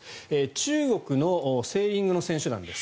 中国のセーリングの選手団です。